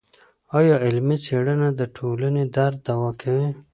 ايا علمي څېړنه د ټولني درد دوا کوي؟